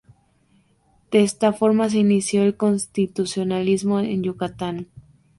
De esta forma se inició el constitucionalismo en Yucatán.